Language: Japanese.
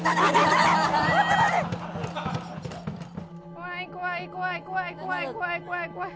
怖い怖い怖い怖い怖い怖い怖い怖い。